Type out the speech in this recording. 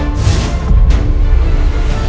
jalur tolong ambil wadahnya